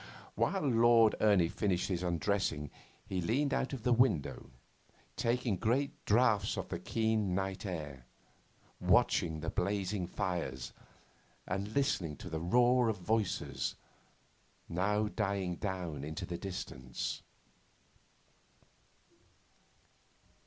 While Lord Ernie finished his undressing he leaned out of the window, taking great draughts of the keen night air, watching the blazing fires and listening to the roar of voices, now dying down into the distance.